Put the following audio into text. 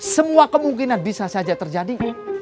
semua kemungkinan bisa saja terjadi